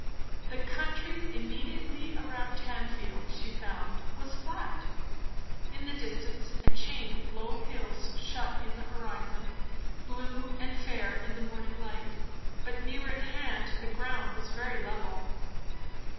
The country immediately around Tanfield she found was flat; in the distance a chain of low hills shut in the horizon, blue and fair in the morning light; but near at hand the ground was very level.